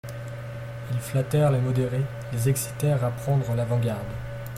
Ils flattèrent les modérés, les excitèrent à prendre l'avant-garde.